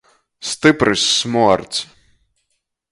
Styprys smuords!